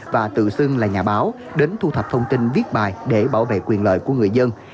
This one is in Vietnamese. và tự xưng là nhà báo đến thu thập thông tin viết bài để bảo vệ quyền lợi của người dân